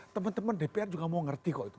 teman teman dpr juga mau ngerti kok itu